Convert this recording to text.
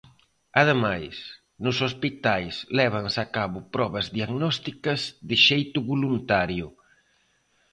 Ademais, nos hospitais lévanse a cabo probas diagnósticas de xeito voluntario.